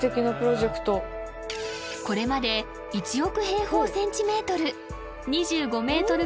これまで１億平方センチメートル２５メートル